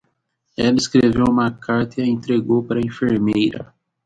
Ela escreveu uma carta e a entregou para a enfermeira.